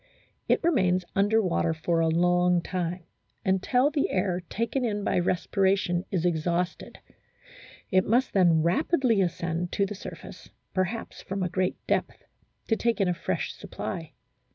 It remains under water for a long time until the air taken in by respiration is exhausted ; it must then rapidly ascend to the surface, perhaps from a great depth, to take in a fresh supply.